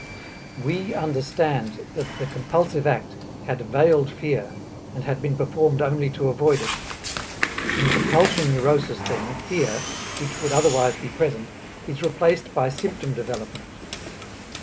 We understand that the compulsive act had veiled fear and had been performed only to avoid it. In compulsion neurosis then, fear, which would otherwise be present, is replaced by symptom development.